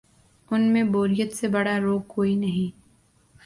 ان میں بوریت سے بڑا روگ کوئی نہیں۔